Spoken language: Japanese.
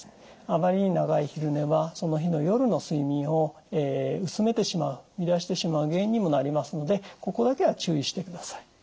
あまりに長い昼寝はその日の夜の睡眠を薄めてしまう乱してしまう原因にもなりますのでここだけは注意してください。